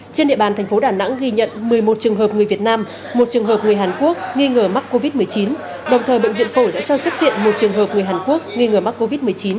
trên địa bàn thành phố đà nẵng ghi nhận một mươi một trường hợp người việt nam một trường hợp người hàn quốc nghi ngờ mắc covid một mươi chín đồng thời bệnh viện phổi đã cho xuất hiện một trường hợp người hàn quốc nghi ngờ mắc covid một mươi chín